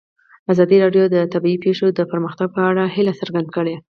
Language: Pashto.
ازادي راډیو د طبیعي پېښې د پرمختګ په اړه هیله څرګنده کړې.